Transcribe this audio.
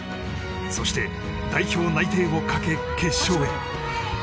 そして代表内定をかけ決勝へ。